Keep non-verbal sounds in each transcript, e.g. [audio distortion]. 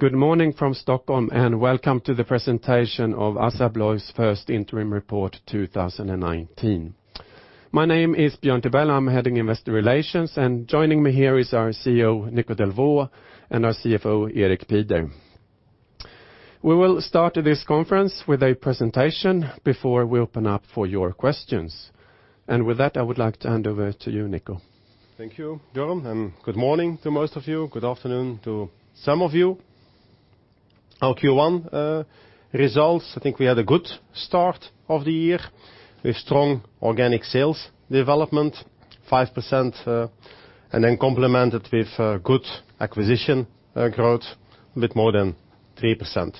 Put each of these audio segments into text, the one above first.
Good morning from Stockholm, welcome to the presentation of Assa Abloy's first interim report 2019. My name is Björn Tibell. I am heading Investor Relations, joining me here is our CEO, Nico Delvaux, and our CFO, Erik Pieder. We will start this conference with a presentation before we open up for your questions. With that, I would like to hand over to you, Nico. Thank you, Björn, good morning to most of you. Good afternoon to some of you. Our Q1 results, I think we had a good start of the year with strong organic sales development, 5%, complemented with good acquisition growth, a bit more than 3%.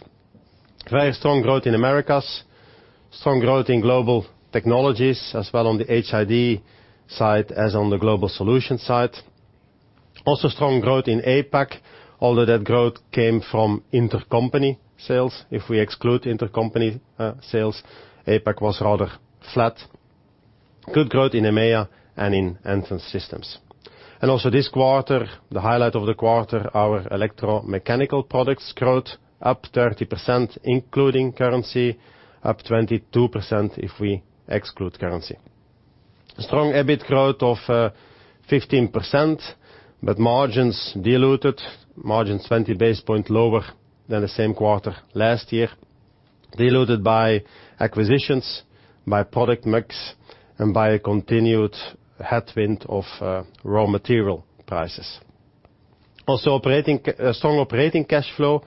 Very strong growth in Americas, strong growth in Global Technologies, as well on the HID side as on the Global Solutions side. Also strong growth in APAC, although that growth came from intercompany sales. If we exclude intercompany sales, APAC was rather flat. Good growth in EMEA and in Entrance Systems. Also this quarter, the highlight of the quarter, our electromechanical products growth up 30%, including currency, up 22% if we exclude currency. Strong EBIT growth of 15%, but margins diluted. Margins 20 basis points lower than the same quarter last year. Diluted by acquisitions, by product mix, by a continued headwind of raw material prices. Also strong operating cash flow,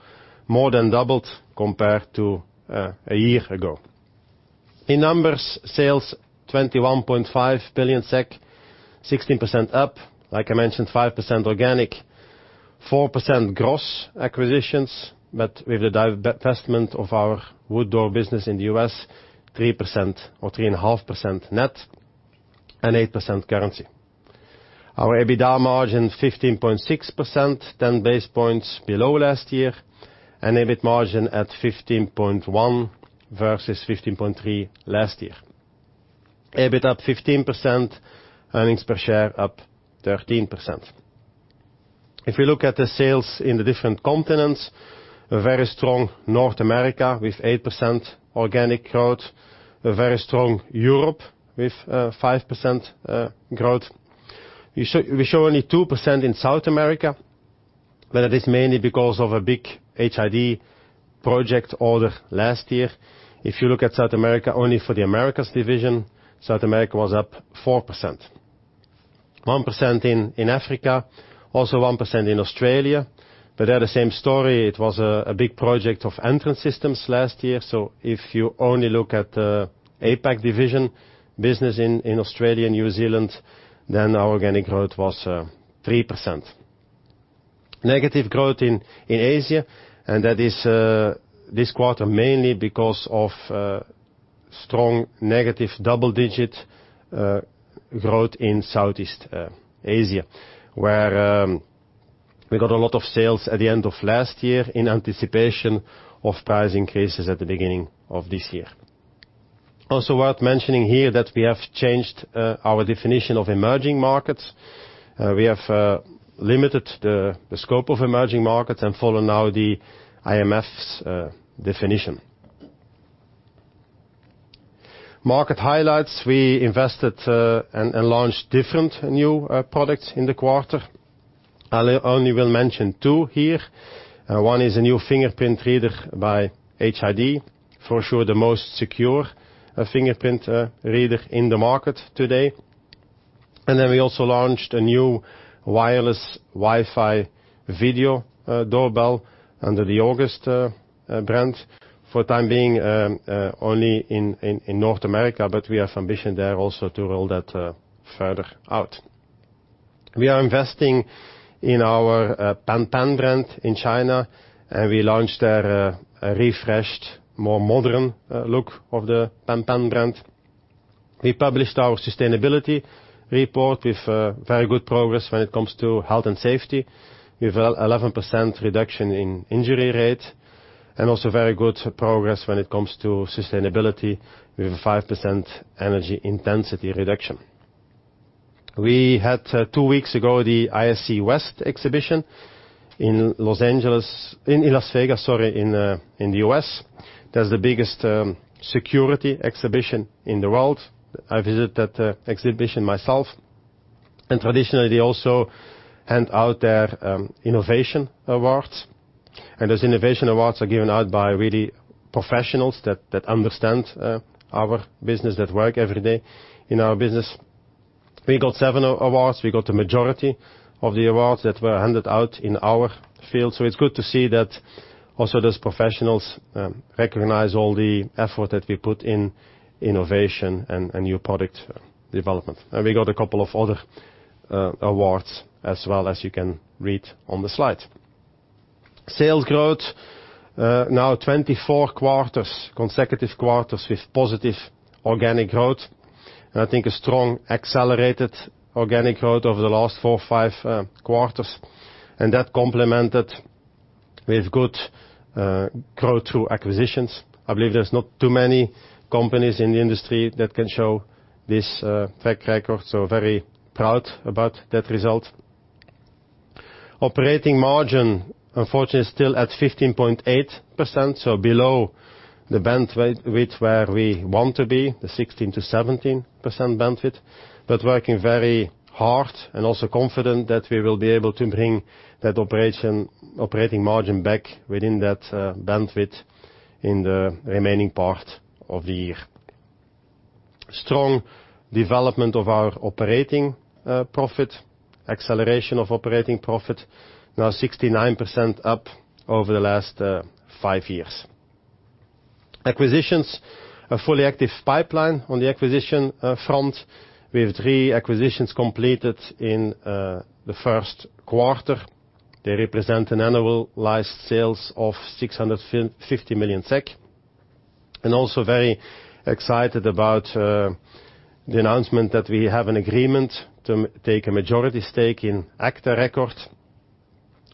more than doubled compared to a year ago. In numbers, sales 21.5 billion SEK, 16% up. Like I mentioned, 5% organic, 4% gross acquisitions. With the divestment of our wood door business in the U.S., 3% or 3.5% net and 8% currency. Our EBITDA margin 15.6%, 10 basis points below last year, and EBIT margin at 15.1% versus 15.3% last year. EBIT up 15%, earnings per share up 13%. If we look at the sales in the different continents, very strong North America with 8% organic growth, very strong Europe with 5% growth. We show only 2% in South America, but it is mainly because of a big HID project order last year. If you look at South America, only for the Americas division, South America was up 4%. 1% in Africa, also 1% in Australia. There the same story, it was a big project of Entrance Systems last year. If you only look at the APAC division business in Australia and New Zealand, then our organic growth was 3%. Negative growth in Asia, that is this quarter, mainly because of strong negative double-digit growth in Southeast Asia, where we got a lot of sales at the end of last year in anticipation of price increases at the beginning of this year. Also worth mentioning here that we have changed our definition of emerging markets. We have limited the scope of emerging markets and follow now the IMF's definition. Market highlights. We invested and launched different new products in the quarter. I only will mention two here. One is a new fingerprint reader by HID, for sure the most secure fingerprint reader in the market today. We also launched a new wireless Wi-Fi video doorbell under the August brand, for the time being, only in North America, but we have ambition there also to roll that further out. We are investing in our Pan Pan brand in China. We launched a refreshed, more modern look of the Pan Pan brand. We published our sustainability report with very good progress when it comes to health and safety, with 11% reduction in injury rate and also very good progress when it comes to sustainability with a 5% energy intensity reduction. We had two weeks ago, the ISC West exhibition in Las Vegas in the U.S. That's the biggest security exhibition in the world. I visited that exhibition myself, traditionally, they also hand out their innovation awards, and those innovation awards are given out by really professionals that understand our business, that work every day in our business. We got seven awards. We got the majority of the awards that were handed out in our field. It's good to see that also those professionals recognize all the effort that we put in innovation and new product development. We got a couple of other awards as well, as you can read on the slide. Sales growth, now 24 quarters, consecutive quarters with positive organic growth. I think a strong accelerated organic growth over the last four, five quarters, and that complemented with good grow through acquisitions. I believe there's not too many companies in the industry that can show this track record, very proud about that result. Operating margin, unfortunately, still at 15.8%, below the bandwidth where we want to be, the 16%-17% bandwidth. Working very hard and also confident that we will be able to bring that operating margin back within that bandwidth in the remaining part of the year. Strong development of our operating profit, acceleration of operating profit now 69% up over the last five years. Acquisitions, a fully active pipeline on the acquisition front, with three acquisitions completed in the first quarter. They represent an annualized sales of 650 million SEK. Also very excited about the announcement that we have an agreement to take a majority stake in agta record,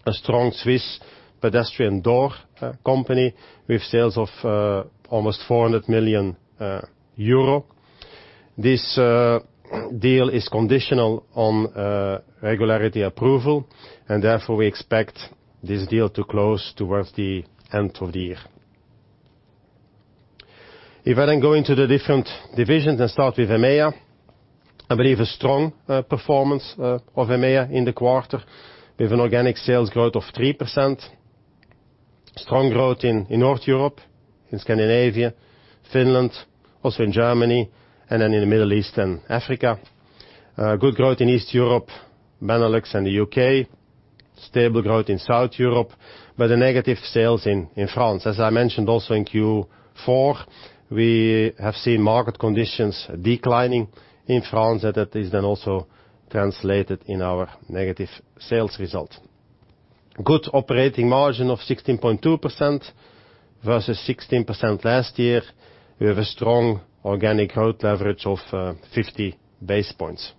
a strong Swiss pedestrian door company with sales of almost 400 million euro. This deal is conditional on regulatory approval, therefore we expect this deal to close towards the end of the year. If I then go into the different divisions, start with EMEA, I believe a strong performance of EMEA in the quarter with an organic sales growth of 3%. Strong growth in North Europe, in Scandinavia, Finland, also in Germany in the Middle East and Africa. Good growth in East Europe, Benelux and the U.K. Stable growth in South Europe, a negative sales in France. As I mentioned also in Q4, we have seen market conditions declining in France, that is then also translated in our negative sales result. Good operating margin of 16.2% versus 16% last year. We have a strong organic growth leverage of 50 basis points.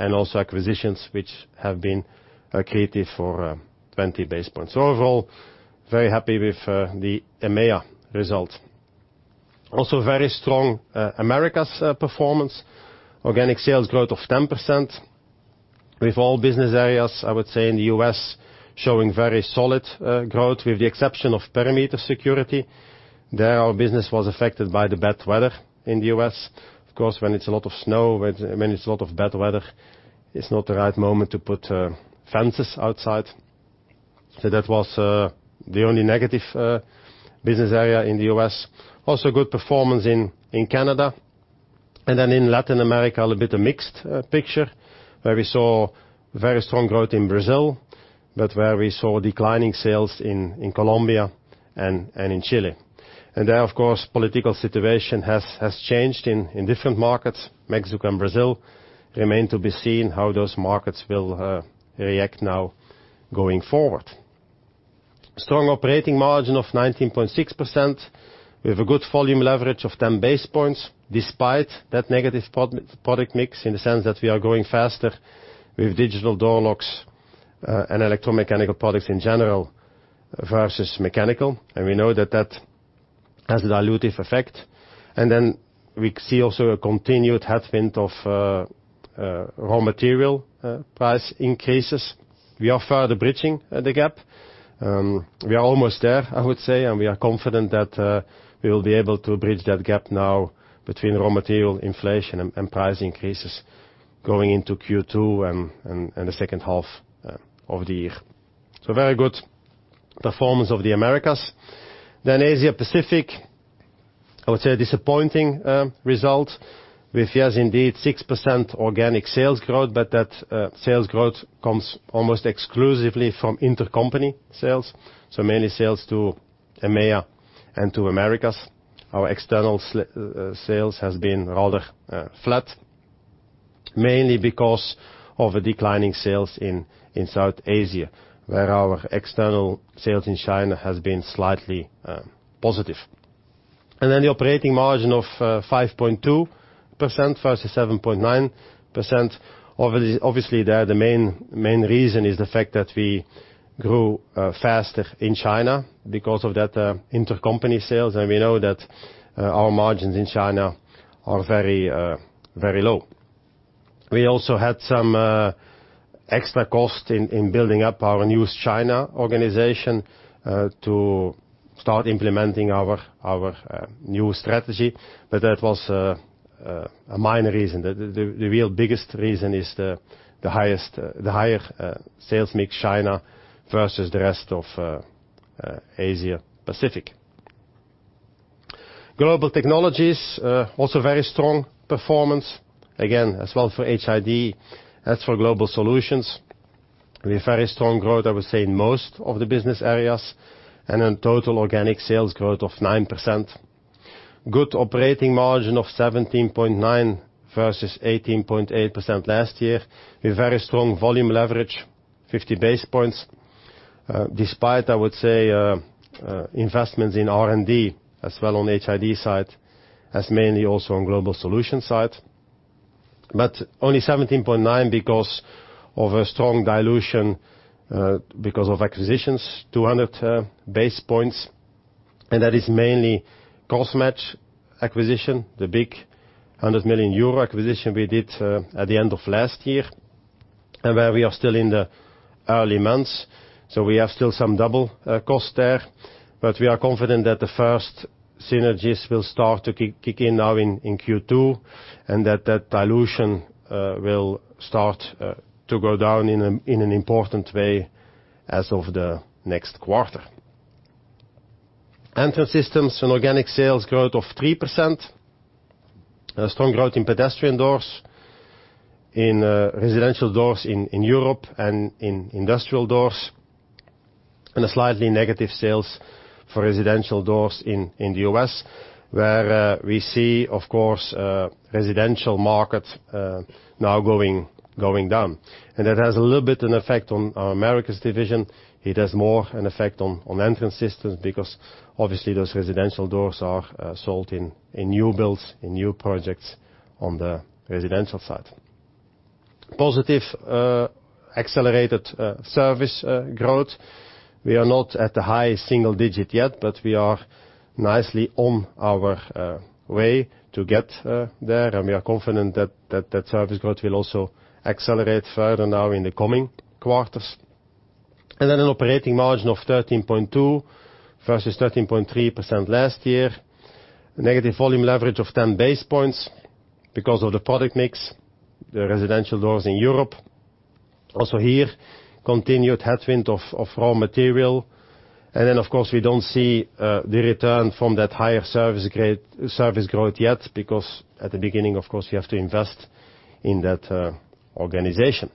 Also acquisitions which have been accretive for 20 basis points. Overall, very happy with the EMEA result. Also very strong Americas performance, organic sales growth of 10% with all business areas, I would say, in the U.S. showing very solid growth, with the exception of perimeter security. There our business was affected by the bad weather in the U.S. Of course, when it's a lot of snow, when it's a lot of bad weather, it's not the right moment to put fences outside. That was the only negative business area in the U.S. Also good performance in Canada. In Latin America, a little bit of mixed picture where we saw very strong growth in Brazil, but where we saw declining sales in Colombia and in Chile. There, of course, political situation has changed in different markets, Mexico and Brazil. Remain to be seen how those markets will react now going forward. Strong operating margin of 19.6%. We have a good volume leverage of 10 basis points, despite that negative product mix in the sense that we are growing faster with digital door locks and electromechanical products in general versus mechanical. We know that that has a dilutive effect. We see also a continued headwind of raw material price increases. We are further bridging the gap. We are almost there, I would say, and we are confident that we will be able to bridge that gap now between raw material inflation and price increases going into Q2 and the second half of the year. Very good performance of the Americas. Asia Pacific, I would say a disappointing result with yes, indeed, 6% organic sales growth, but that sales growth comes almost exclusively from intercompany sales, so mainly sales to EMEA and to Americas. Our external sales has been rather flat, mainly because of a declining sales in South Asia, where our external sales in China has been slightly positive. The operating margin of 5.2% versus 7.9%, obviously there the main reason is the fact that we grew faster in China because of that intercompany sales, and we know that our margins in China are very low. We also had some extra cost in building up our new China organization, to start implementing our new strategy. That was a minor reason. The real biggest reason is the higher sales mix China versus the rest of Asia Pacific. Global Technologies, also very strong performance, again, as well for HID as for Global Solutions, with very strong growth, I would say, in most of the business areas, and in total organic sales growth of 9%. Good operating margin of 17.9% versus 18.8% last year, with very strong volume leverage, 50 basis points, despite, I would say, investments in R&D as well on HID side as mainly also on Global Solutions side. Only 17.9% because of a strong dilution, because of acquisitions, 200 basis points, and that is mainly Crossmatch acquisition, the big 100 million euro acquisition we did at the end of last year, where we are still in the early months. We have still some double cost there. We are confident that the first synergies will start to kick in now in Q2, and that that dilution will start to go down in an important way as of the next quarter. Entrance Systems, an organic sales growth of 3%, a strong growth in pedestrian doors, in residential doors in Europe and in industrial doors, a slightly negative sales for residential doors in the U.S., where we see, of course, residential market now going down. That has a little bit an effect on our Americas division. It has more an effect on Entrance Systems because obviously those residential doors are sold in new builds, in new projects on the residential side. Positive accelerated service growth. We are not at the high single digit yet, but we are nicely on our way to get there, we are confident that that service growth will also accelerate further now in the coming quarters. Then an operating margin of 13.2% versus 13.3% last year. Negative volume leverage of 10 basis points because of the product mix, the residential doors in Europe. Also here, continued headwind of raw material. Then, of course, we don't see the return from that higher service growth yet because at the beginning, of course, we have to invest in that organization.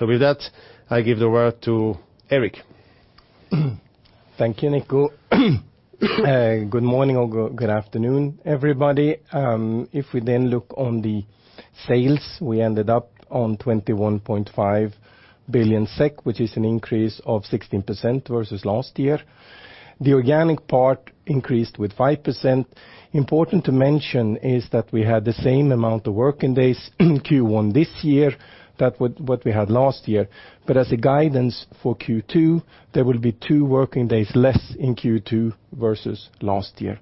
With that, I give the word to Erik. Thank you, Nico. Good morning or good afternoon, everybody. We then look on the sales, we ended up on 21.5 billion SEK, which is an increase of 16% versus last year. The organic part increased with 5%. Important to mention is that we had the same amount of working days in Q1 this year that what we had last year. As a guidance for Q2, there will be two working days less in Q2 versus last year.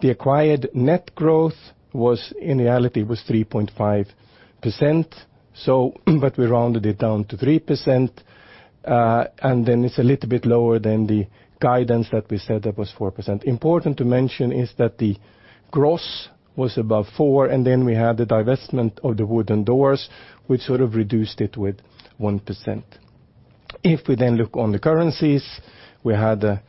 The acquired net growth in reality was 3.5%, but we rounded it down to 3%, then it's a little bit lower than the guidance that we said that was 4%. Important to mention is that the gross was above four, then we had the divestment of the wooden doors, which sort of reduced it with 1%. We then look on the currencies, we had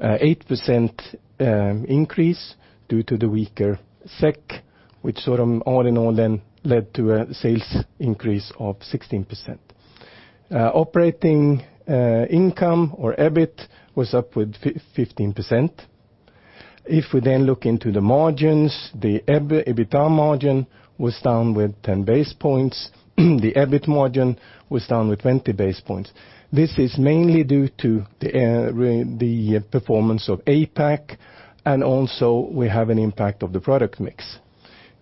8% increase due to the weaker SEK, which all in all then led to a sales increase of 16%. Operating income or EBIT was up with 15%. We then look into the margins, the EBITDA margin was down with 10 basis points. The EBIT margin was down with 20 basis points. This is mainly due to the performance of APAC, also we have an impact of the product mix.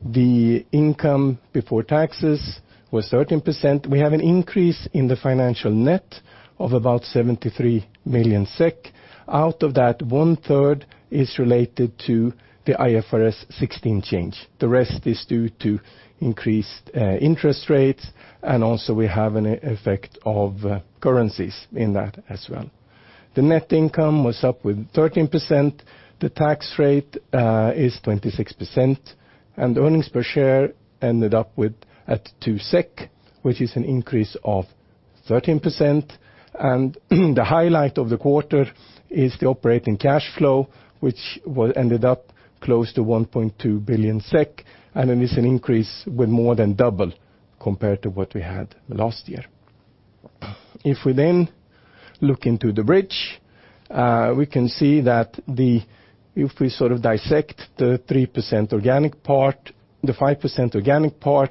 The income before taxes was 13%. We have an increase in the financial net of about 73 million SEK. Out of that, one third is related to the IFRS 16 change. The rest is due to increased interest rates, also we have an effect of currencies in that as well. The net income was up with 13%. The tax rate is 26%, and earnings per share ended up at 2 SEK, which is an increase of 13%. The highlight of the quarter is the operating cash flow, which ended up close to 1.2 billion SEK, and it is an increase with more than double compared to what we had last year. If we sort of dissect the 5% organic part,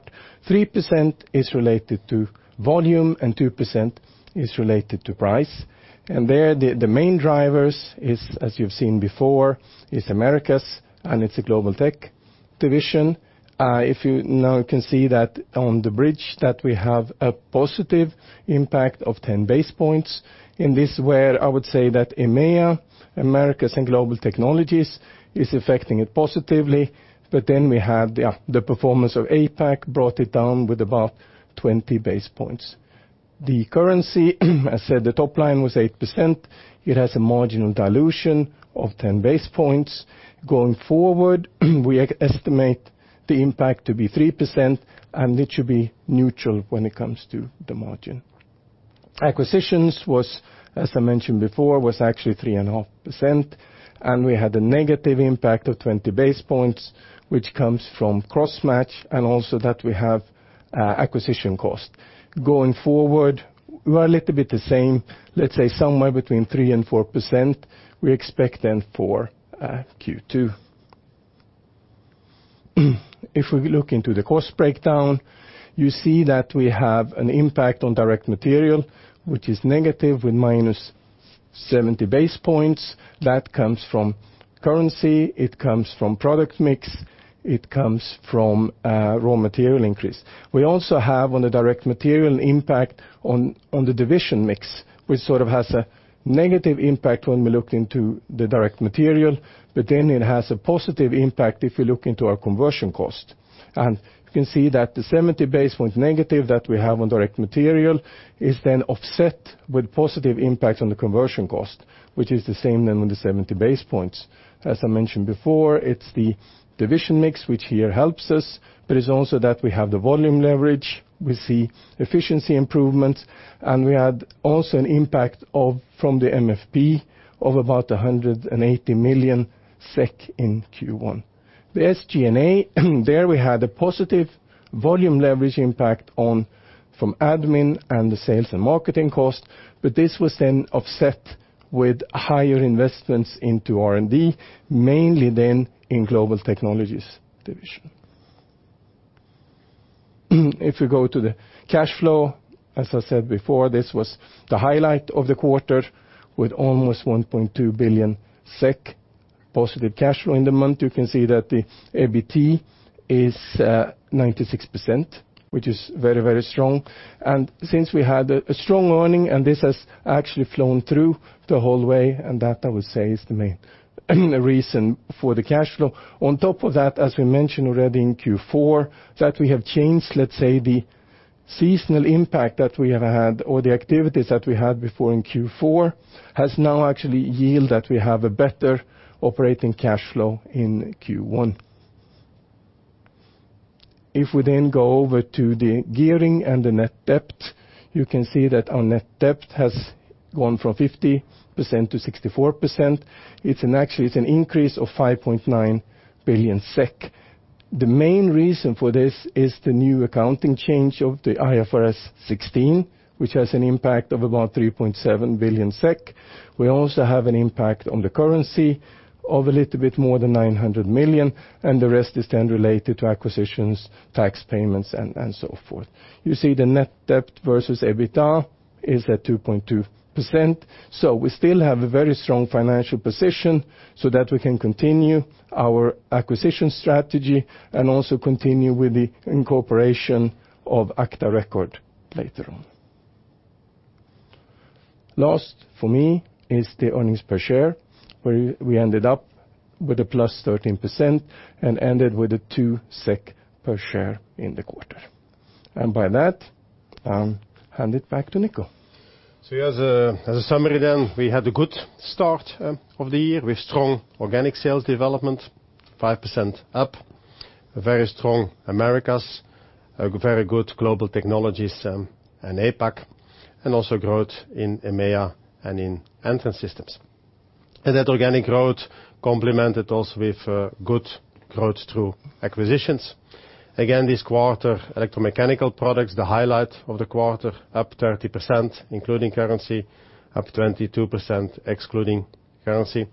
3% is related to volume and 2% is related to price. The main drivers is, as you've seen before, is Americas, and it's the Global Technologies division. We have a positive impact of 10 basis points in this where I would say that EMEA, Americas, and Global Technologies is affecting it positively. We have the performance of APAC brought it down with about 20 basis points. The currency, as said, the top line was 8%. It has a marginal dilution of 10 basis points. Going forward, we estimate the impact to be 3%, and it should be neutral when it comes to the margin. Acquisitions was, as I mentioned before, was actually 3.5%, and we had a negative impact of 20 basis points, which comes from Crossmatch and also that we have acquisition cost. Going forward, we're a little bit the same, let's say somewhere between 3% and 4%, we expect then for Q2. We have an impact on direct material, which is negative with -70 basis points. That comes from currency, it comes from product mix, it comes from raw material increase. We also have on the direct material impact on the division mix, which sort of has a negative impact when we look into the direct material, but then it has a positive impact if you look into our conversion cost. The 70 basis points negative that we have on direct material is then offset with positive impact on the conversion cost, which is the same then on the 70 basis points. It's the division mix, which here helps us, but it's also that we have the volume leverage, we see efficiency improvements, and we had also an impact from the MFP of about 180 million SEK in Q1. The SG&A, there we had a positive volume leverage impact from admin and the sales and marketing cost. This was then offset with higher investments into R&D, mainly then in Global Technologies division. As I said before, this was the highlight of the quarter with almost 1.2 billion SEK positive cash flow in the month. The EBT is 96%, which is very strong. Since we had a strong earning, this has actually flown through the whole way, and that I would say is the main reason for the cash flow. As we mentioned already in Q4, that we have changed, let's say, the seasonal impact that we have had or the activities that we had before in Q4 has now actually yield that we have a better operating cash flow in Q1. If we then go over to the gearing and the net debt, you can see that our net debt has gone from 50% to 64%. It is an increase of 5.9 billion SEK. The main reason for this is the new accounting change of the IFRS 16, which has an impact of about 3.7 billion SEK. We also have an impact on the currency of a little bit more than 900 million, and the rest is then related to acquisitions, tax payments, and so forth. You see the net debt versus EBITDA is at 2.2%. We still have a very strong financial position so that we can continue our acquisition strategy and also continue with the incorporation of agta record later on. Last for me is the earnings per share, where we ended up with a +13% and ended with a two SEK per share in the quarter. By that, I will hand it back to Nico. As a summary then, we had a good start of the year with strong organic sales development, 5% up, very strong Americas, very good Global Technologies and APAC, and also growth in EMEA and in Entrance Systems. That organic growth complemented also with good growth through acquisitions. Again, this quarter, Electromechanical Products, the highlight of the quarter, up 30%, including currency, up 22% excluding currency.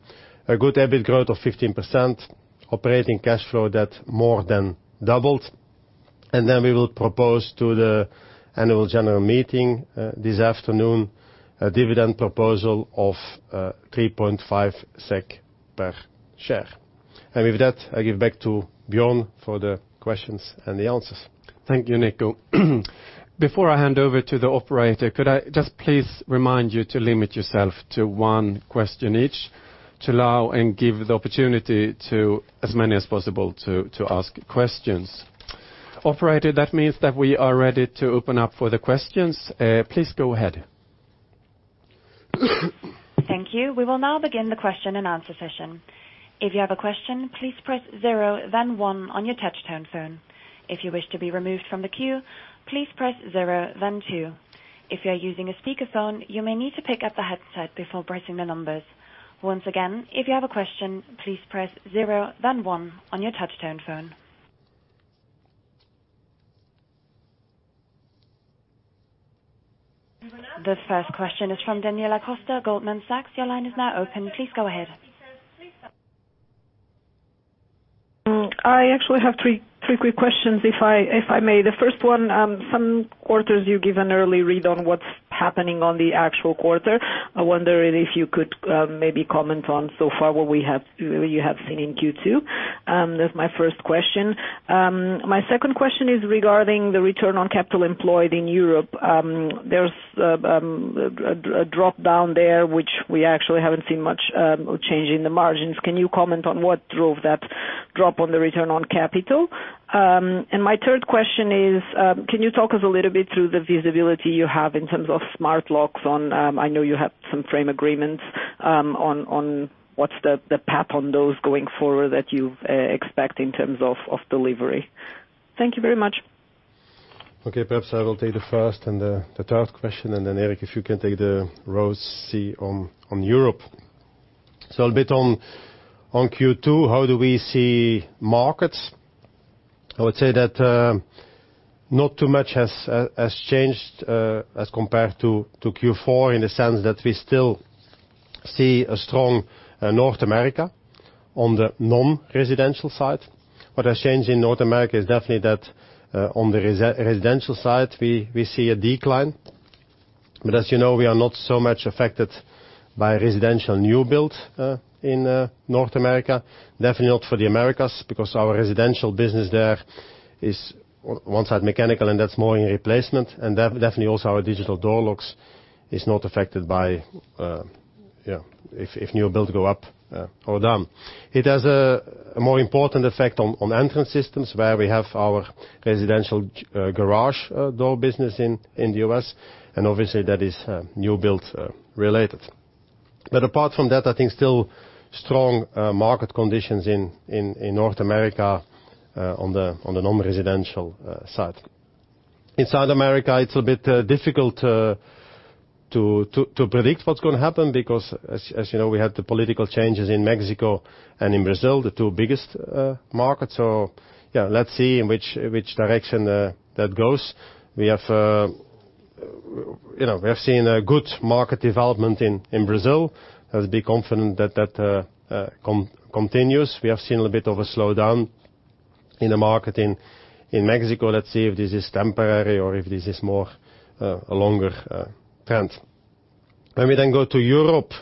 A good EBIT growth of 15%, operating cash flow that more than doubled. We will propose to the annual general meeting this afternoon a dividend proposal of 3.5 SEK per share. With that, I give back to Björn for the questions and the answers. Thank you, Nico. Before I hand over to the operator, could I just please remind you to limit yourself to one question each to allow and give the opportunity to as many as possible to ask questions. Operator, that means that we are ready to open up for the questions. Please go ahead. Thank you. We will now begin the question and answer session. If you have a question, please press zero then one on your touch-tone phone. If you wish to be removed from the queue, please press zero then two. If you are using a speakerphone, you may need to pick up the headset before pressing the numbers. Once again, if you have a question, please press zero then one on your touch-tone phone. The first question is from Daniela Costa, Goldman Sachs, your line is now open. Please go ahead. I actually have three quick questions, if I may. The first one, some quarters you give an early read on what's happening on the actual quarter. I wonder if you could maybe comment on so far what you have seen in Q2. That's my first question. My second question is regarding the Return on Capital Employed in Europe. There's a drop-down there, which we actually haven't seen much change in the margins. Can you comment on what drove that drop on the return on capital? My third question is, can you talk us a little bit through the visibility you have in terms of smart locks? I know you have some frame agreements on what's the path on those going forward that you expect in terms of delivery? Thank you very much. Okay, perhaps I will take the first and the third question, and then Erik, if you can take the ROCE on Europe. I'll bit on Q2, how do we see markets? I would say that not too much has changed as compared to Q4 in the sense that we still see a strong North America. On the non-residential side, what has changed in North America is definitely that on the residential side, we see a decline, but as you know, we are not so much affected by residential new build in North America, definitely not for the Americas, because our residential business there is one side mechanical and that's more in replacement. Definitely also our digital door locks is not affected by if new build go up or down. It has a more important effect on Entrance Systems where we have our residential garage door business in the U.S. and obviously that is new build related. Apart from that, I think still strong market conditions in North America on the non-residential side. In South America, it's a bit difficult to predict what's going to happen because, as you know, we had the political changes in Mexico and in Brazil, the two biggest markets. Yeah, let's see which direction that goes. We have seen a good market development in Brazil. Let's be confident that continues. We have seen a little bit of a slowdown in the market in Mexico. Let's see if this is temporary or if this is more a longer trend. We go to Europe,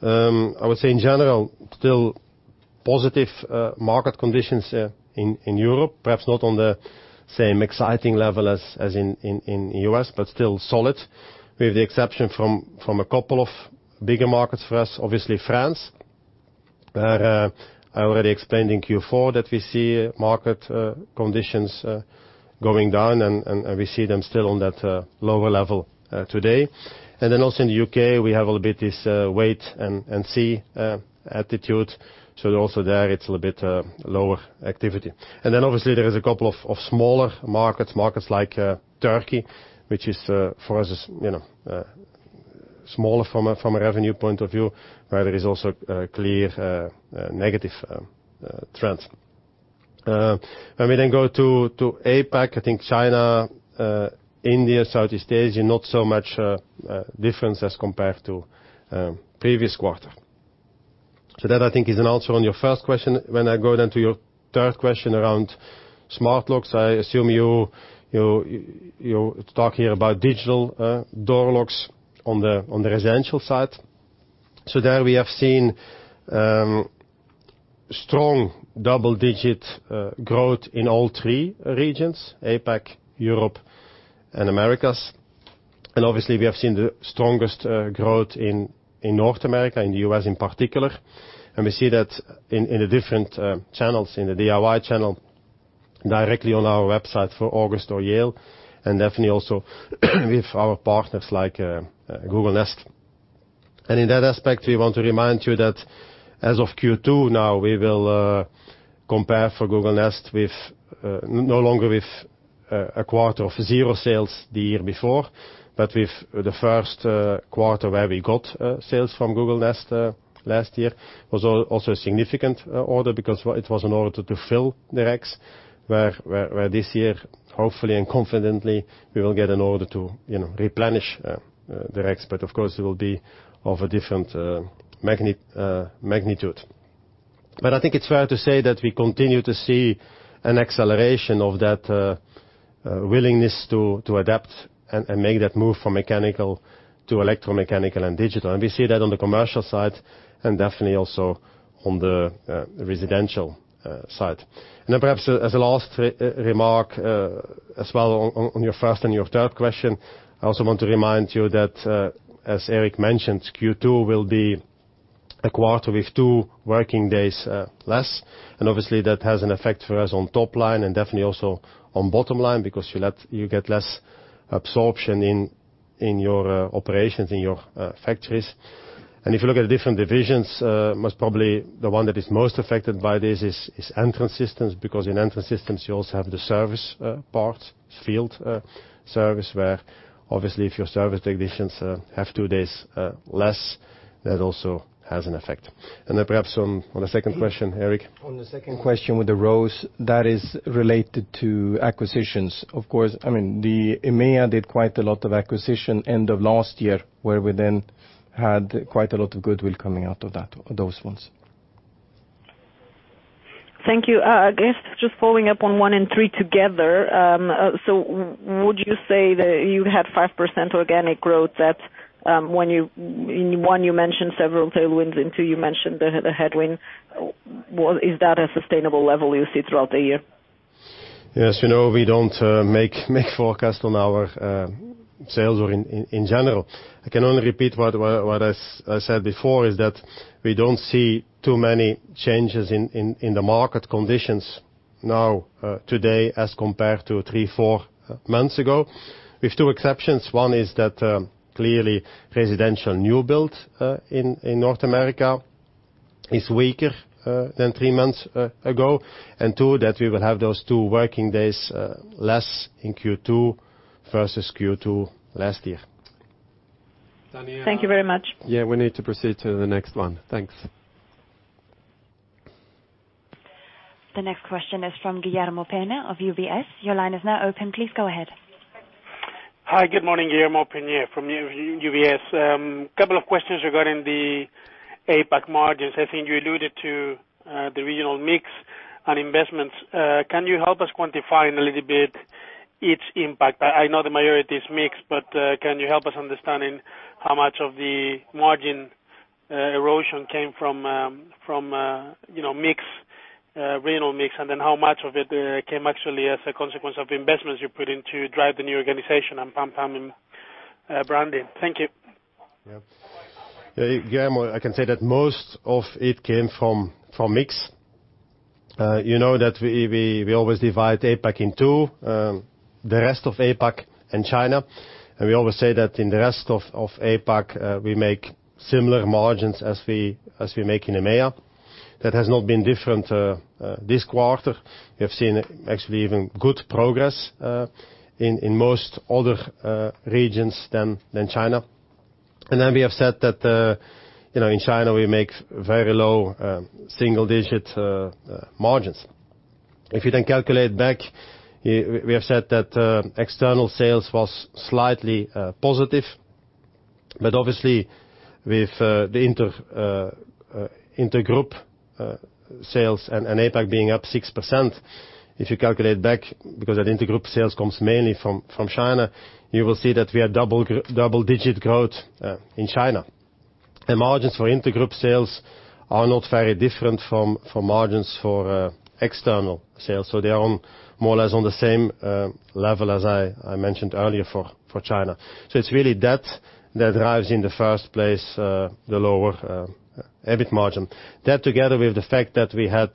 I would say in general, still positive market conditions in Europe, perhaps not on the same exciting level as in the U.S., but still solid, with the exception from a couple of bigger markets for us, obviously, France, where I already explained in Q4 that we see market conditions going down, and we see them still on that lower level today. Also in the U.K., we have a little bit this wait and see attitude. Also there, it is a little bit lower activity. Obviously there are a couple of smaller markets like Turkey, which is for us, smaller from a revenue point of view, where there is also a clear negative trend. We go to APAC, I think China, India, Southeast Asia, not so much difference as compared to previous quarter. That, I think, is an answer on your first question. I go to your third question around smart locks, I assume you are talking about digital door locks on the residential side. There we have seen strong double-digit growth in all three regions, APAC, Europe and Americas. Obviously we have seen the strongest growth in North America, in the U.S. in particular. We see that in the different channels, in the DIY channel, directly on our website for August or Yale, and definitely also with our partners like Google Nest. In that aspect, we want to remind you that as of Q2 now, we will compare for Google Nest no longer with a quarter of zero sales the year before, but with the first quarter where we got sales from Google Nest last year. Was also a significant order because it was an order to fill their ex, where this year, hopefully and confidently, we will get an order to replenish their ex. Of course, it will be of a different magnitude. I think it is fair to say that we continue to see an acceleration of that willingness to adapt and make that move from mechanical to electromechanical and digital. We see that on the commercial side and definitely also on the residential side. Perhaps as a last remark as well on your first and your third question, I also want to remind you that, as Erik mentioned, Q2 will be a quarter with two working days less. Obviously that has an effect for us on top line and definitely also on bottom line because you get less absorption in your operations, in your factories. If you look at the different divisions, most probably the one that is most affected by this is Entrance Systems, because in Entrance Systems, you also have the service part, field service, where obviously if your service technicians have two days less, that also has an effect. Perhaps on the second question, Erik? On the second question with the ROCE, that is related to acquisitions. Of course, EMEA did quite a lot of acquisition end of last year, where we then had quite a lot of goodwill coming out of those ones. Thank you. I guess just following up on one and three together. Would you say that you had 5% organic growth? That when you, in one, you mentioned several tailwinds, in two, you mentioned the headwind. Is that a sustainable level you see throughout the year? As you know, we don't make forecasts on our sales or in general. I can only repeat what I said before, is that we don't see too many changes in the market conditions now today as compared to three, four months ago, with two exceptions. One is that clearly residential new build in North America is weaker than three months ago, and two, that we will have those two working days less in Q2 versus Q2 last year. Daniel? Thank you very much. Yeah, we need to proceed to the next one. Thanks. The next question is from Guillermo Peigneux of UBS. Your line is now open. Please go ahead. Hi, good morning. Guillermo Peigneux from UBS. Couple of questions regarding the APAC margins. I think you alluded to the regional mix and investments. Can you help us quantify a little bit each impact? I know the majority is mix, but can you help us understanding how much of the margin erosion came from regional mix and then how much of it came actually as a consequence of investments you put in to drive the new organization and Pan Pan and branding? Thank you. Yeah. Guillermo, I can say that most of it came from mix. You know that we always divide APAC in two, the rest of APAC and China. We always say that in the rest of APAC, we make similar margins as we make in EMEA. That has not been different this quarter. We have seen actually even good progress in most other regions than China. Then we have said that in China we make very low single-digit margins. If you then calculate back, we have said that external sales was slightly positive, but obviously with the intergroup sales and APAC being up 6%, if you calculate back, because that intergroup sales comes mainly from China, you will see that we are double-digit growth in China. Margins for intergroup sales are not very different from margins for external sales. They are more or less on the same level as I mentioned earlier for China. It's really that drives in the first place, the lower EBIT margin. That together with the fact that we had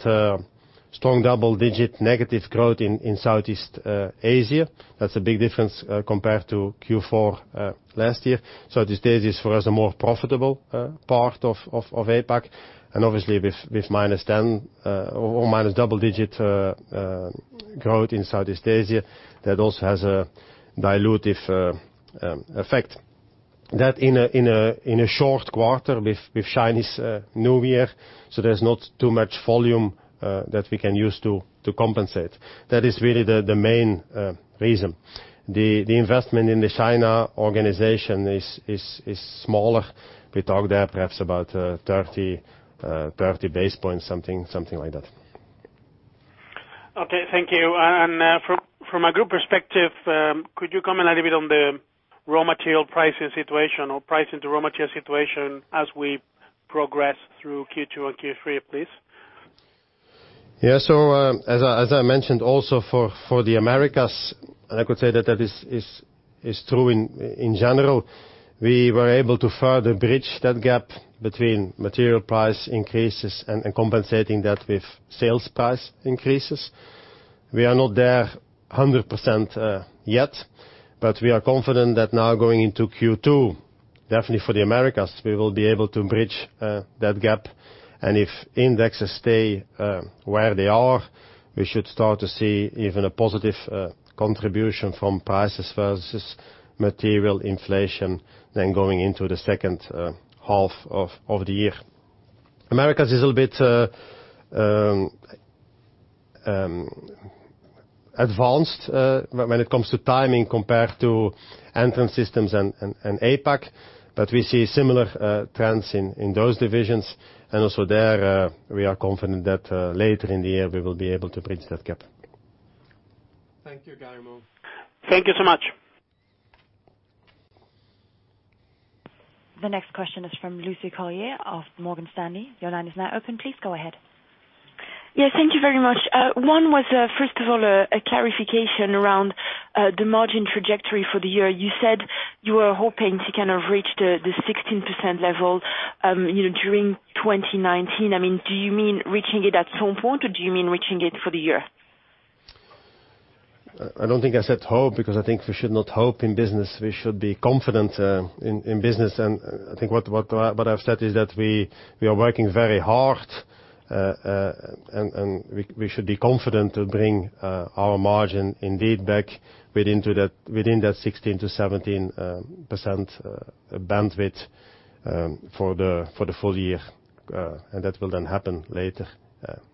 strong double-digit negative growth in Southeast Asia, that's a big difference compared to Q4 last year. Southeast Asia is, for us, a more profitable part of APAC and obviously with minus 10% or minus double-digit growth in Southeast Asia, that also has a dilutive effect. That in a short quarter with Chinese New Year, there's not too much volume that we can use to compensate. That is really the main reason. The investment in the China organization is smaller. We talk there perhaps about 30 basis points, something like that. Okay. Thank you. From a group perspective, could you comment a little bit on the raw material pricing situation or pricing to raw material situation as we progress through Q2 and Q3, please? As I mentioned also for the Americas, I could say that is true in general, we were able to further bridge that gap between material price increases and compensating that with sales price increases. We are not there 100% yet, but we are confident that now going into Q2, definitely for the Americas, we will be able to bridge that gap, if indexes stay where they are, we should start to see even a positive contribution from prices versus material inflation going into the second half of the year. Americas is a little bit advanced when it comes to timing compared to Entrance Systems and APAC, but we see similar trends in those divisions, also there we are confident that later in the year we will be able to bridge that gap. Thank you, Guillermo. Thank you so much. The next question is from Lucie Collier of Morgan Stanley. Your line is now open. Please go ahead. Thank you very much. One was, first of all, a clarification around the margin trajectory for the year. You said you were hoping to kind of reach the 16% level during 2019. Do you mean reaching it at some point or do you mean reaching it for the year? I don't think I said hope, because I think we should not hope in business. We should be confident in business. I think what I've said is that we are working very hard, and we should be confident to bring our margin indeed back within that 16%-17% bandwidth for the full year. That will then happen later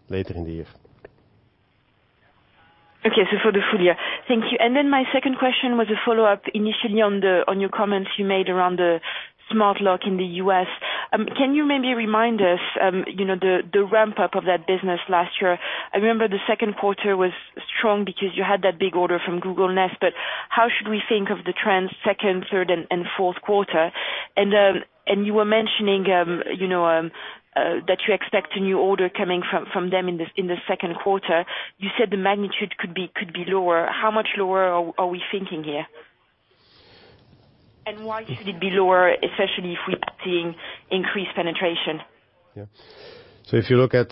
in the year. Okay, for the full year. Thank you. Then my second question was a follow-up initially on your comments you made around the smart lock in the U.S. Can you maybe remind us the ramp-up of that business last year? I remember the second quarter was strong because you had that big order from Google Nest, but how should we think of the trends second, third, and fourth quarter? You were mentioning that you expect a new order coming from them in the second quarter. You said the magnitude could be lower. How much lower are we thinking here? Why should it be lower, especially if we are seeing increased penetration? Yeah. If you look at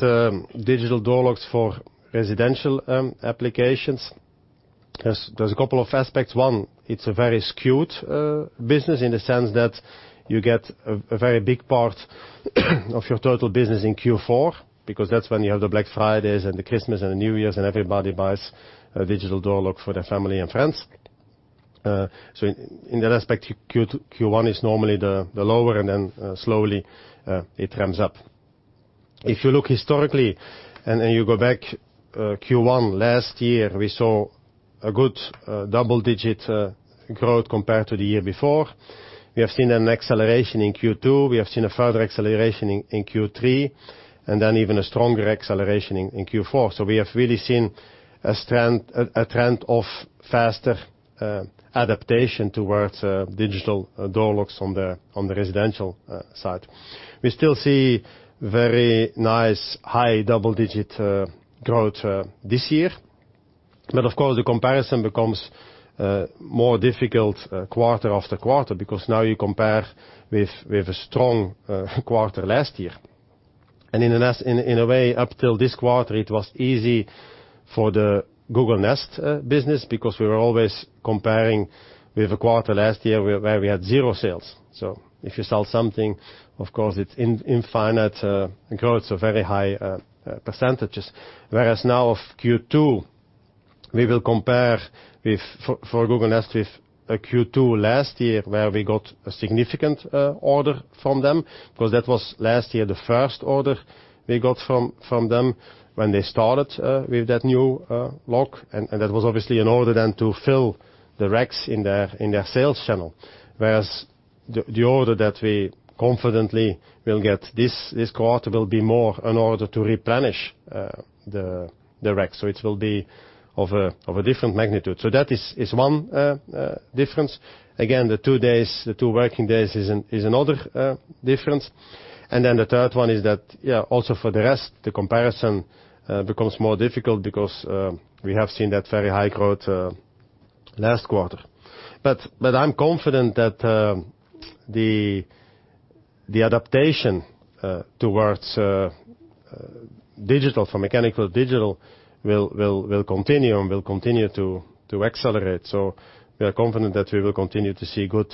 digital door locks for residential applications, there's a couple of aspects. One, it's a very skewed business in the sense that you get a very big part of your total business in Q4, because that's when you have the Black Fridays and the Christmas and New Year's, and everybody buys a digital door lock for their family and friends. In that respect, Q1 is normally the lower and then slowly it ramps up. If you look historically and then you go back Q1 last year, we saw a good double-digit growth compared to the year before. We have seen an acceleration in Q2. We have seen a further acceleration in Q3, and even a stronger acceleration in Q4. We have really seen a trend of faster adaptation towards digital door locks on the residential side. We still see very nice high double-digit growth this year, but of course, the comparison becomes more difficult quarter after quarter because now you compare with a strong quarter last year. In a way, up till this quarter, it was easy for the Google Nest business because we were always comparing with a quarter last year where we had zero sales. If you sell something, of course it's infinite growth, so very high percentages. Whereas now of Q2, we will compare for Google Nest with a Q2 last year, where we got a significant order from them, because that was last year, the first order we got from them when they started with that new lock. That was obviously an order then to fill the racks in their sales channel. Whereas the order that we confidently will get this quarter will be more in order to replenish the rack. It will be of a different magnitude. That is one difference. Again, the two working days is another difference. Then the third one is that, yeah, also for the rest, the comparison becomes more difficult because we have seen that very high growth last quarter. I'm confident that the adaptation towards digital, for mechanical digital will continue and will continue to accelerate. We are confident that we will continue to see good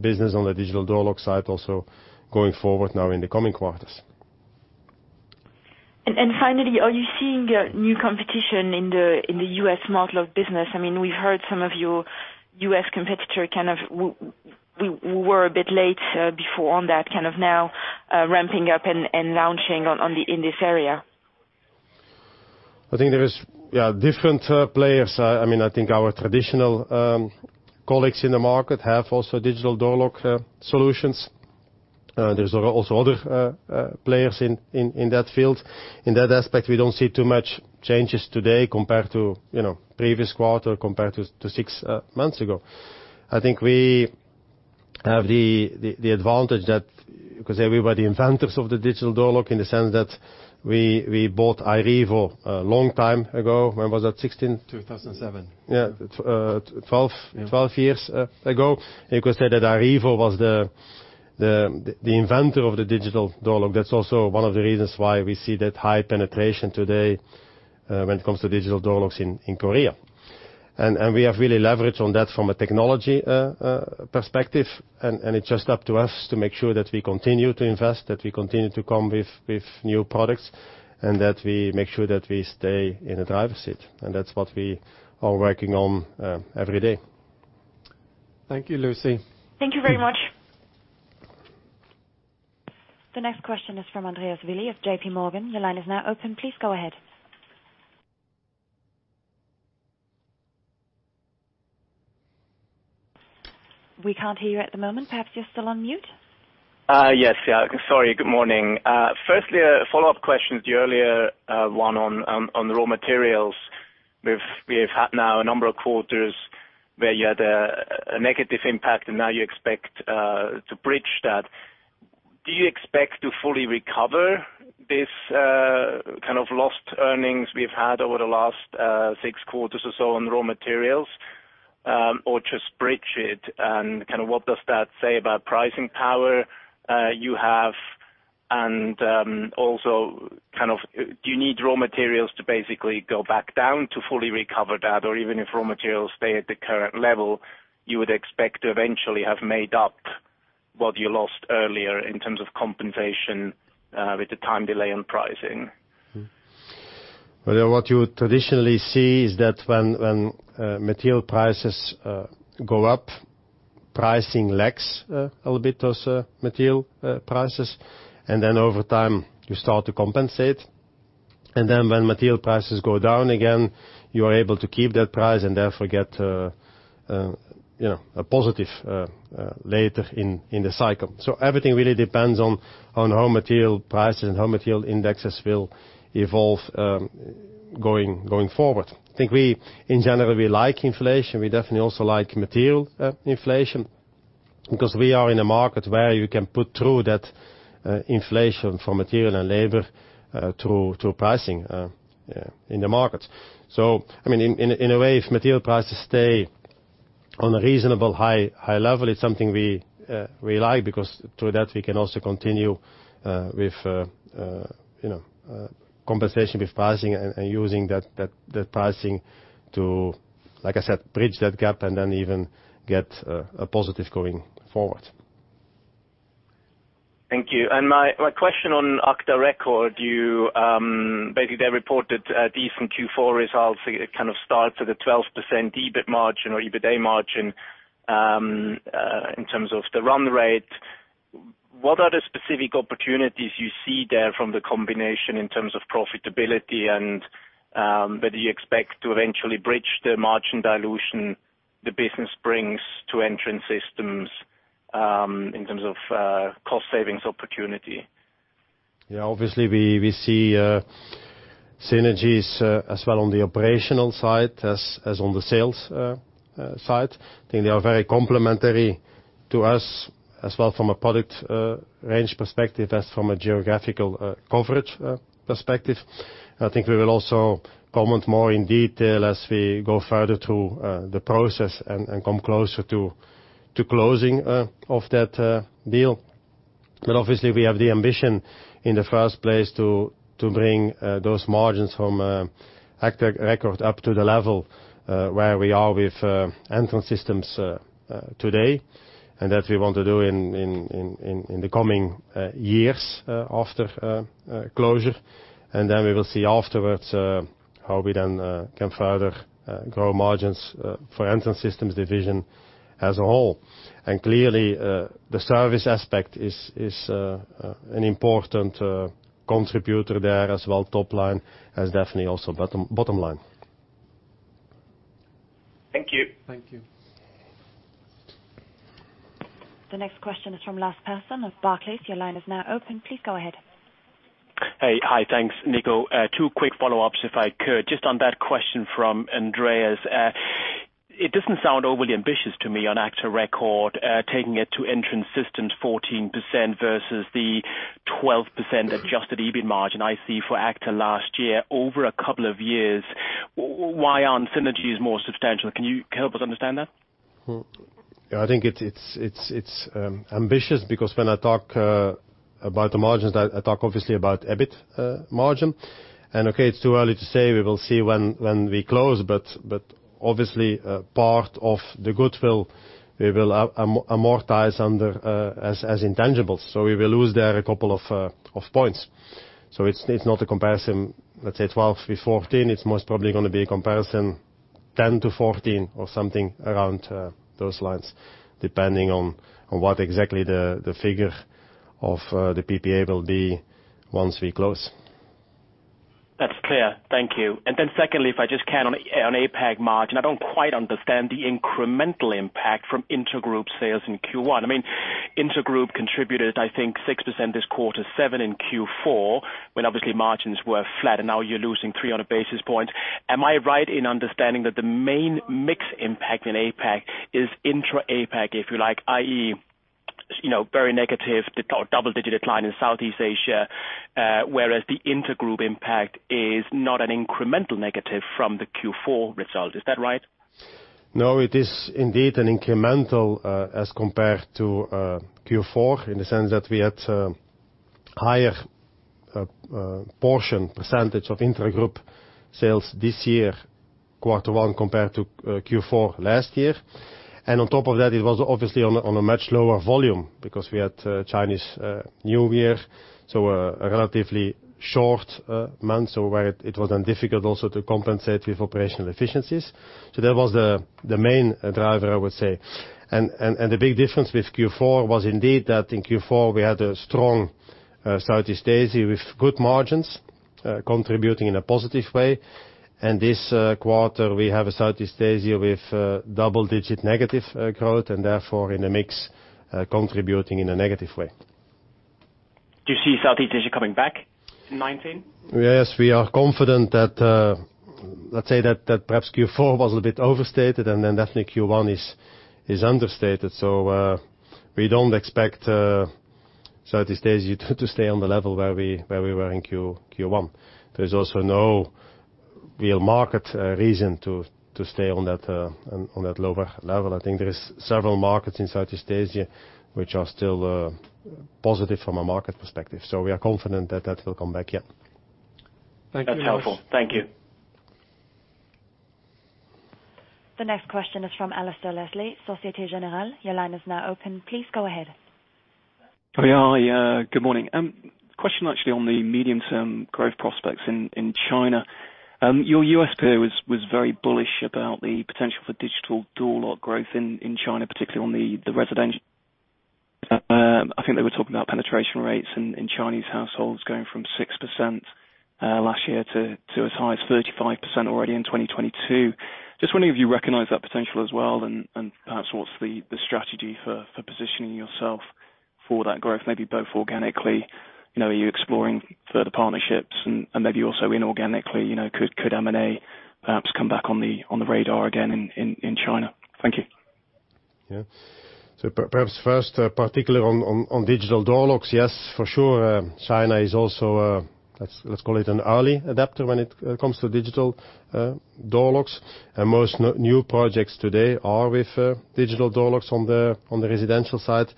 business on the digital door lock side also going forward now in the coming quarters. Finally, are you seeing new competition in the U.S. smart lock business? We've heard some of your U.S. competitor who were a bit late before on that, now ramping up and launching in this area. I think there is different players. I think our traditional colleagues in the market have also digital door lock solutions. There's also other players in that field. In that aspect, we don't see too much changes today compared to previous quarter compared to six months ago. I think we have the advantage that because we were the inventors of the digital door lock in the sense that we bought iRevo a long time ago. When was that, 16? 2007. Yeah. 12 years ago. You could say that iRevo was the inventor of the digital door lock. That's also one of the reasons why we see that high penetration today when it comes to digital door locks in Korea. We have really leveraged on that from a technology perspective, it's just up to us to make sure that we continue to invest, that we continue to come with new products, that we make sure that we stay in the driver's seat. That's what we are working on every day. Thank you, Lucie. Thank you very much. The next question is from Andreas Willi of J.P. Morgan. Your line is now open. Please go ahead. We can't hear you at the moment. Perhaps you're still on mute? Yes. Sorry. Good morning. Firstly, a follow-up question to the earlier one on raw materials. We've had now a number of quarters where you had a negative impact, and now you expect to bridge that. Do you expect to fully recover this kind of lost earnings we've had over the last six quarters or so on raw materials, or just bridge it? What does that say about pricing power you have and also do you need raw materials to basically go back down to fully recover that? Or even if raw materials stay at the current level, you would expect to eventually have made up what you lost earlier in terms of compensation with the time delay on pricing? What you traditionally see is that when material prices go up, pricing lags a little bit those material prices, and then over time you start to compensate, and then when material prices go down again, you are able to keep that price and therefore get a positive later in the cycle. Everything really depends on how material prices and how material indexes will evolve going forward. I think we, in general, we like inflation. We definitely also like material inflation because we are in a market where you can put through that inflation for material and labor through pricing in the market. In a way, if material prices stay on a reasonable high level, it's something we like because through that we can also continue with compensation with pricing and using that pricing to, like I said, bridge that gap and then even get a positive going forward. Thank you. My question on agta record, basically, they reported a decent Q4 results. It kind of starts at the 12% EBIT margin or EBITA margin in terms of the run rate. What are the specific opportunities you see there from the combination in terms of profitability, and whether you expect to eventually bridge the margin dilution the business brings to Entrance Systems in terms of cost savings opportunity? Yeah. Obviously, we see synergies as well on the operational side as on the sales side. I think they are very complementary to us as well from a product range perspective as from a geographical coverage perspective. I think we will also comment more in detail as we go further through the process and come closer to closing of that deal. Obviously, we have the ambition in the first place to bring those margins from agta record up to the level where we are with Entrance Systems today, and that we want to do in the coming years after closure. Then we will see afterwards how we then can further grow margins for Entrance Systems division as a whole. Clearly, the service aspect is an important contributor there as well top line, as definitely also bottom line. Thank you. Thank you. The next question is from Lars Brorson of Barclays. Your line is now open. Please go ahead. Hey. Hi. Thanks, Nico. Two quick follow-ups, if I could. Just on that question from Andreas. It doesn't sound overly ambitious to me on agta record, taking it to Entrance Systems 14% versus the 12% adjusted EBIT margin I see for agta last year over a couple of years. Why aren't synergies more substantial? Can you help us understand that? I think it's ambitious because when I talk about the margins, I talk obviously about EBIT margin. Okay, it's too early to say. We will see when we close, but obviously, part of the goodwill we will amortize under as intangibles. We will lose there a couple of points. It's not a comparison, let's say 12 with 14, it's most probably going to be a comparison 10 to 14 or something around those lines, depending on what exactly the figure of the PPA will be once we close. That's clear. Thank you. Secondly, if I just can on APAC margin, I don't quite understand the incremental impact from intra-group sales in Q1. I mean, intra group contributed, I think, 6% this quarter, seven in Q4, when obviously margins were flat, and now you're losing three on a basis point. Am I right in understanding that the main mix impact in APAC is intra APAC, if you like, i.e., very negative or double-digit decline in Southeast Asia, whereas the intergroup impact is not an incremental negative from the Q4 result. Is that right? No, it is indeed an incremental as compared to Q4 in the sense that we had higher portion percentage of intra-group sales this year, quarter one compared to Q4 last year. On top of that, it was obviously on a much lower volume because we had Chinese New Year, a relatively short month, where it was then difficult also to compensate with operational efficiencies. That was the main driver, I would say. The big difference with Q4 was indeed that in Q4, we had a strong Southeast Asia with good margins, contributing in a positive way. This quarter, we have a Southeast Asia with double-digit negative growth, and therefore in the mix, contributing in a negative way. Do you see Southeast Asia coming back in 2019? Yes, we are confident that perhaps Q4 was a bit overstated, then definitely Q1 is understated. We don't expect Southeast Asia to stay on the level where we were in Q1. There's also no real market reason to stay on that lower level. I think there is several markets in Southeast Asia which are still positive from a market perspective. We are confident that that will come back, yeah. That's helpful. Thank you. The next question is from Alasdair Leslie, Société Générale. Your line is now open. Please go ahead. Hi. Good morning. Question actually on the medium-term growth prospects in China. Your [audio distortion] was very bullish about the potential for digital door lock growth in China, particularly on the residential. I think they were talking about penetration rates in Chinese households going from 6% last year to as high as 35% already in 2022. Just wondering if you recognize that potential as well, and perhaps what's the strategy for positioning yourself for that growth. Maybe both organically, are you exploring further partnerships and maybe also inorganically, could M&A perhaps come back on the radar again in China? Thank you. Yeah. Perhaps first, particularly on digital door locks. Yes, for sure. China is also, let's call it an early adapter when it comes to digital door locks. Most new projects today are with digital door locks on the residential side.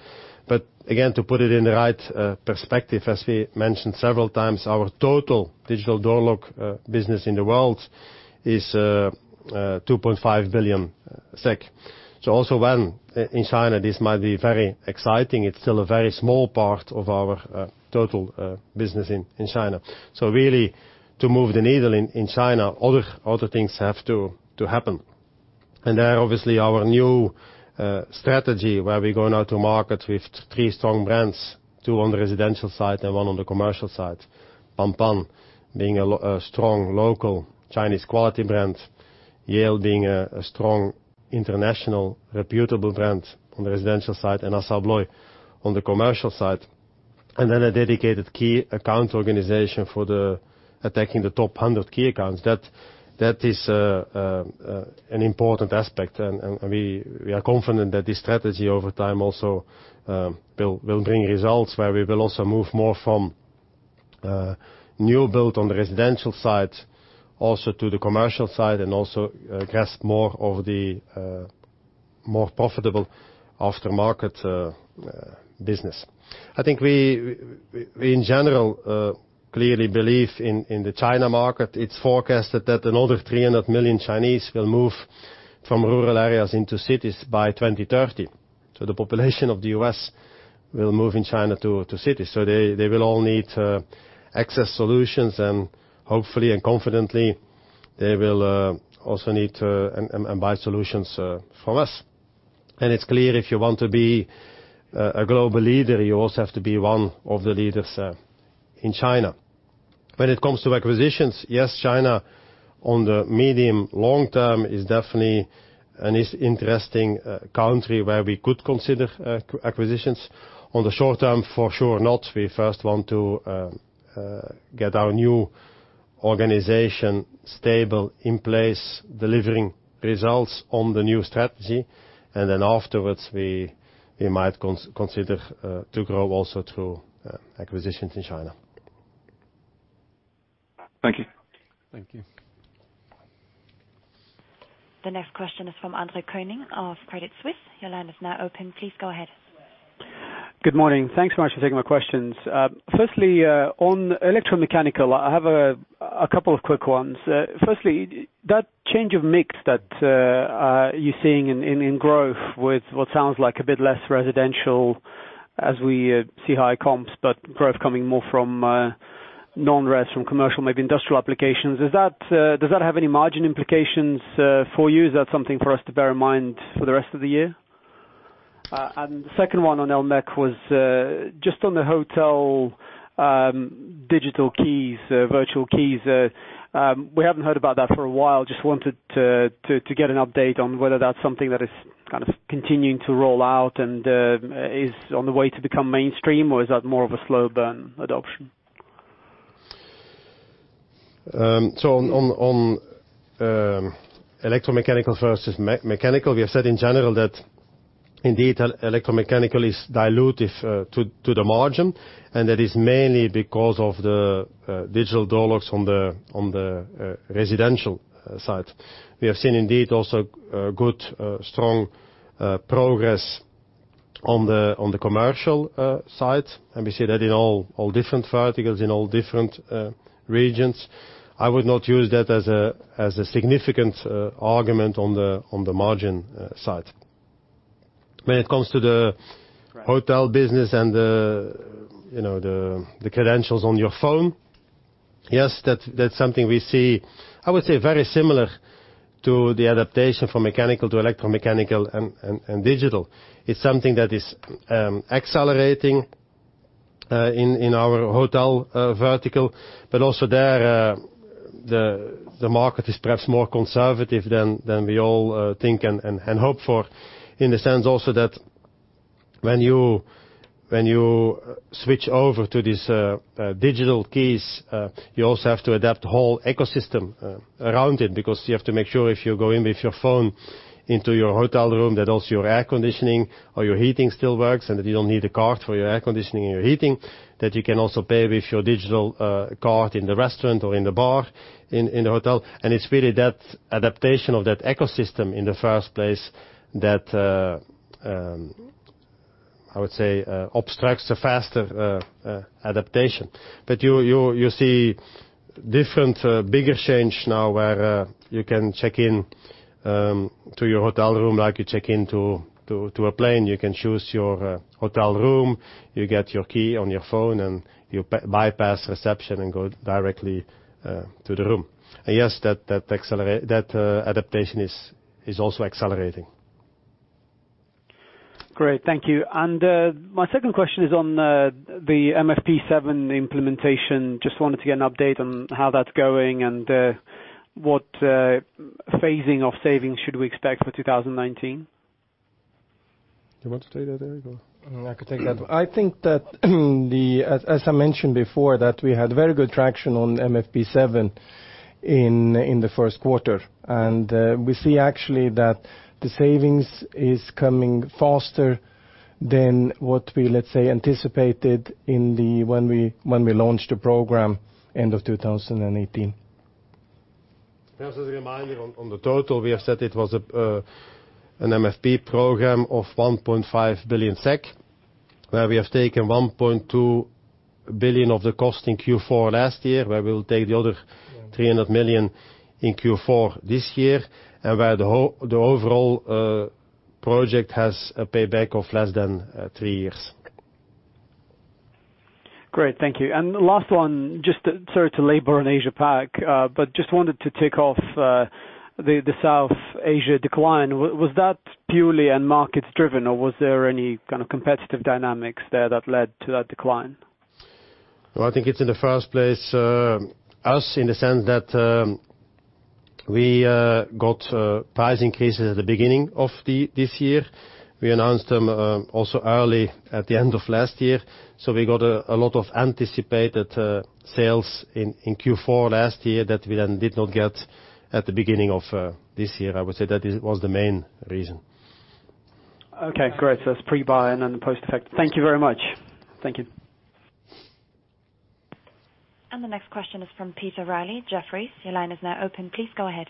Again, to put it in the right perspective, as we mentioned several times, our total digital door lock business in the world is 2.5 billion SEK. Also when in China, this might be very exciting. It's still a very small part of our total business in China. Really, to move the needle in China, other things have to happen. There, obviously, our new strategy, where we go now to market with three strong brands, two on the residential side and one on the commercial side. Pan Pan being a strong local Chinese quality brand, Yale being a strong international reputable brand on the residential side, and Assa Abloy on the commercial side, and then a dedicated key account organization for attacking the top 100 key accounts. That is an important aspect, and we are confident that this strategy over time also will bring results where we will also move more from new build on the residential side, also to the commercial side and also grasp more of the more profitable aftermarket business. I think we, in general, clearly believe in the China market. It's forecasted that another 300 million Chinese will move from rural areas into cities by 2030. The population of the U.S. will move in China to cities. They will all need access solutions, and hopefully and confidently, they will also need to buy solutions from us. It's clear if you want to be a global leader, you also have to be one of the leaders in China. When it comes to acquisitions, yes, China on the medium long term is definitely an interesting country where we could consider acquisitions. On the short term, for sure not. We first want to get our new organization stable, in place, delivering results on the new strategy, and then afterwards, we might consider to grow also through acquisitions in China. Thank you. Thank you. The next question is from Andre Kukhnin of Credit Suisse. Your line is now open. Please go ahead. Good morning. Thanks so much for taking my questions. Firstly, on electromechanical, I have a couple of quick ones. Firstly, that change of mix that you're seeing in growth with what sounds like a bit less residential as we see high comps, but growth coming more from non-res, from commercial, maybe industrial applications. Does that have any margin implications for you? Is that something for us to bear in mind for the rest of the year? And the second one on el.mech. was just on the hotel digital keys, virtual keys. We haven't heard about that for a while. Just wanted to get an update on whether that's something that is continuing to roll out and is on the way to become mainstream, or is that more of a slow burn adoption? On electromechanical versus mechanical, we have said in general that indeed electromechanical is dilutive to the margin, and that is mainly because of the digital door locks on the residential side. We have seen indeed also good, strong progress on the commercial side, and we see that in all different verticals, in all different regions. I would not use that as a significant argument on the margin side. When it comes to the hotel business and the credentials on your phone, yes, that's something we see, I would say, very similar to the adaptation from mechanical to electromechanical and digital. It's something that is accelerating in our hotel vertical, but also there the market is perhaps more conservative than we all think and hope for, in the sense also that when you switch over to these digital keys, you also have to adapt whole ecosystem around it because you have to make sure if you go in with your phone into your hotel room, that also your air conditioning or your heating still works and that you don't need a card for your air conditioning and your heating, that you can also pay with your digital card in the restaurant or in the bar in the hotel. It's really that adaptation of that ecosystem in the first place that, I would say, obstructs a faster adaptation. You see different bigger change now where you can check in to your hotel room like you check into a plane. You can choose your hotel room, you get your key on your phone, you bypass reception and go directly to the room. Yes, that adaptation is also accelerating. Great. Thank you. My second question is on the MFP 7 implementation. Just wanted to get an update on how that's going and what phasing of savings should we expect for 2019? You want to take that, Erik, or? I could take that. I think that as I mentioned before, that we had very good traction on MFP 7 in the first quarter. We see actually that the savings is coming faster than what we, let's say, anticipated when we launched the program end of 2018. Just as a reminder on the total, we have said it was an MFP program of 1.5 billion SEK, where we have taken 1.2 billion of the cost in Q4 last year, where we will take the other 300 million in Q4 this year. The overall project has a payback of less than three years. Great. Thank you. Last one, sorry to labor on Asia-Pac, just wanted to tick off the South Asia decline. Was that purely and market driven, or was there any kind of competitive dynamics there that led to that decline? Well, I think it's in the first place, us, in the sense that we got price increases at the beginning of this year. We announced them also early at the end of last year, so we got a lot of anticipated sales in Q4 last year that we then did not get at the beginning of this year. I would say that was the main reason. That's pre-buy and then the post effect. Thank you very much. Thank you. The next question is from Peter Reilly, Jefferies, your line is now open. Please go ahead.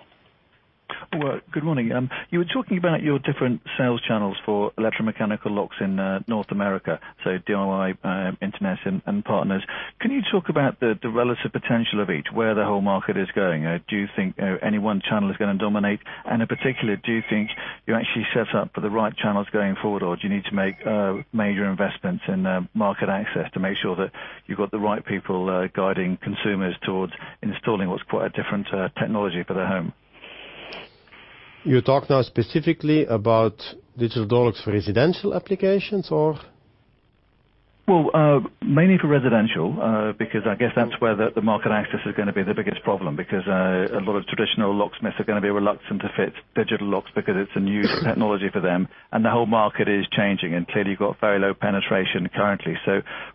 Well, good morning. You were talking about your different sales channels for electromechanical locks in North America, so DIY, internet, and partners. Can you talk about the relative potential of each, where the whole market is going? Do you think any one channel is going to dominate? In particular, do you think you're actually set up for the right channels going forward, or do you need to make major investments in market access to make sure that you've got the right people guiding consumers towards installing what's quite a different technology for the home? You talk now specifically about digital locks for residential applications or? Well, mainly for residential, because I guess that's where the market access is going to be the biggest problem, because a lot of traditional locksmiths are going to be reluctant to fit digital locks because it's a new technology for them, and the whole market is changing. Clearly, you've got very low penetration currently.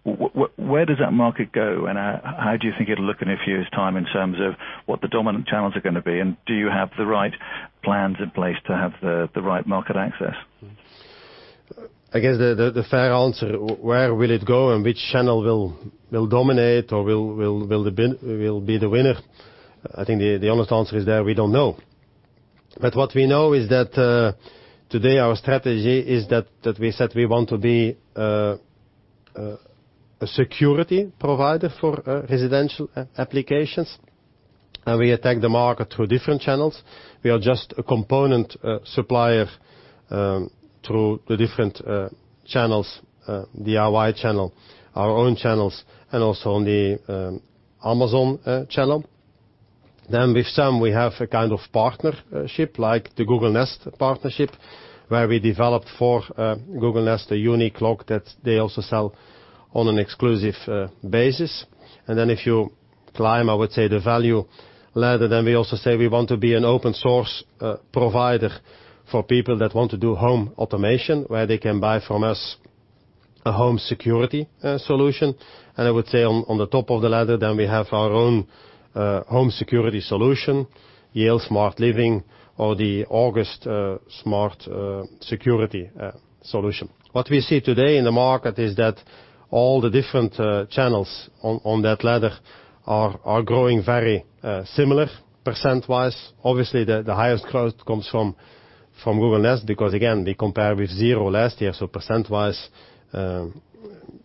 Where does that market go, and how do you think it'll look in a few years' time in terms of what the dominant channels are going to be? Do you have the right plans in place to have the right market access? I guess the fair answer, where will it go and which channel will dominate or will be the winner? I think the honest answer is that we don't know. What we know is that today our strategy is that we said we want to be a security provider for residential applications, and we attack the market through different channels. We are just a component supplier through the different channels, DIY channel, our own channels, and also on the Amazon channel. With some, we have a kind of partnership like the Google Nest partnership, where we developed for Google Nest a unique lock that they also sell on an exclusive basis. If you climb, I would say, the value ladder, we also say we want to be an open source provider for people that want to do home automation, where they can buy from us a home security solution. I would say on the top of the ladder, we have our own home security solution, Yale Smart Living or the August Smart Security solution. What we see today in the market is that all the different channels on that ladder are growing very similar percent-wise. Obviously, the highest growth comes from Google Nest because again, they compare with zero last year, percent-wise,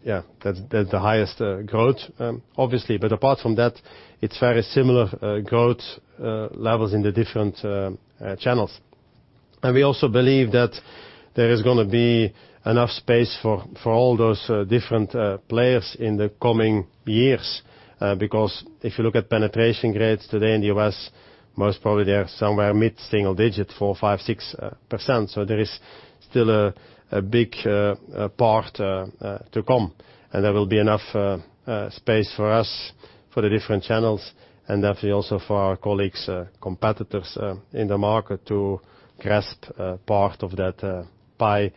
yeah, that's the highest growth, obviously. Apart from that, it's very similar growth levels in the different channels. We also believe that there is going to be enough space for all those different players in the coming years, because if you look at penetration grades today in the U.S., most probably they are somewhere mid-single digit, 4%, 5%, 6%. There is still a big part to come, and there will be enough space for us, for the different channels, and definitely also for our colleagues, competitors in the market to grasp part of that pie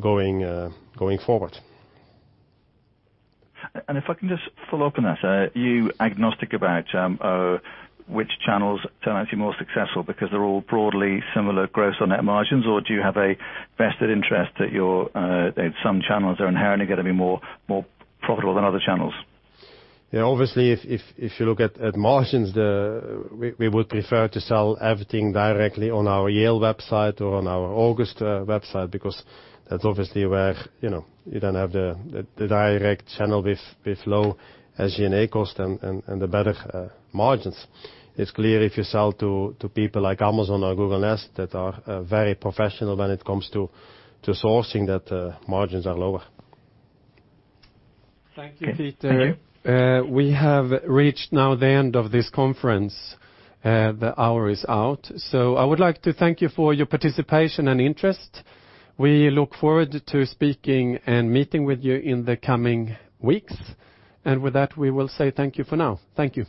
going forward. If I can just follow up on that, are you agnostic about which channels turn out to be more successful because they're all broadly similar gross on net margins? Or do you have a vested interest that some channels are inherently going to be more profitable than other channels? Obviously, if you look at margins, we would prefer to sell everything directly on our Yale website or on our August website because that's obviously where you then have the direct channel with low SG&A cost and the better margins. It's clear if you sell to people like Amazon or Google Nest that are very professional when it comes to sourcing that margins are lower. Thank you. Thank you, Peter. We have reached now the end of this conference. The hour is out, I would like to thank you for your participation and interest. We look forward to speaking and meeting with you in the coming weeks. With that, we will say thank you for now. Thank you.